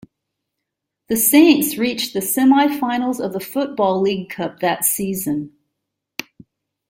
The Saints reached the semi-finals of the Football League Cup that season.